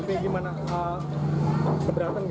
berita gimana keberatan gak